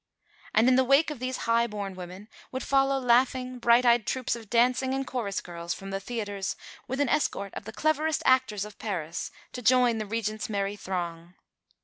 And in the wake of these high born women would follow laughing, bright eyed troupes of dancing and chorus girls from the theatres with an escort of the cleverest actors of Paris, to join the Regent's merry throng.